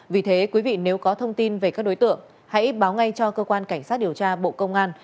vì thế quý vị nếu có thông tin về các đối tượng hãy báo ngay cho cơ quan cảnh sát điều tra bộ công an